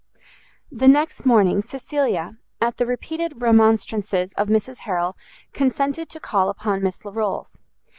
The next morning Cecilia, at the repeated remonstrances of Mrs Harrel, consented to call upon Miss Larolles.